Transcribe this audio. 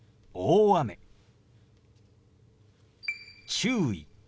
「注意」。